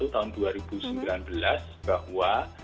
tahun dua ribu sembilan belas bahwa